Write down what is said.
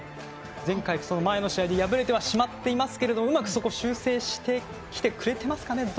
前回、前の試合では敗れてはしまっていますけどうまく、そこを修正してきてくれてますかね。